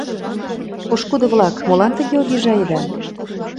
Пошкудо-влак, молан тыге обижаеда?